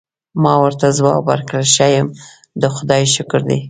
ما ورته ځواب ورکړ: ښه یم، د خدای شکر دی.